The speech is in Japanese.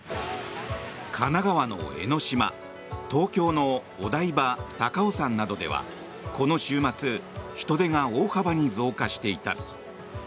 神奈川の江の島東京のお台場、高尾山などではこの週末人出が大幅に増加していた。